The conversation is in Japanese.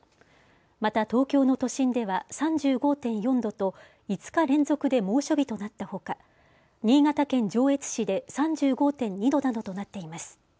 また東京の都心では３５．４度と５日連続で猛暑日となったほか新潟県上越市で３５．２度などとなっています。